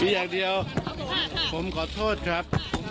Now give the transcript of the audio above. มีอย่างเดียวผมขอโทษครับ